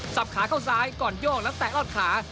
ขาเข้าซ้ายก่อนโยกแล้วแตะลอดขา